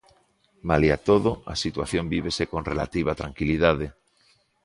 Malia todo a situación vívese con relativa tranquilidade.